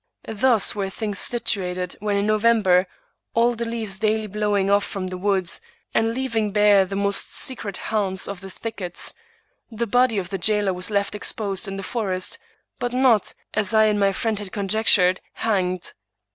Thus were things situated, when in November, all the leaves daily blowing off from the woods, and leaving bare the most secret haunts of the thickets, the body of the 137 English Mystery Stories jailer was left exposed in the forest; but not, as I and my friend had conjectured, hanged.